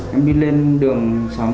em đi lên đường